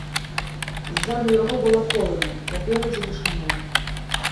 Ззаду яго было полымя, наперадзе вышыня.